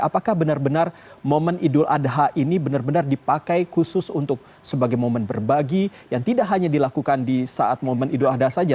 apakah benar benar momen idul adha ini benar benar dipakai khusus untuk sebagai momen berbagi yang tidak hanya dilakukan di saat momen idul adha saja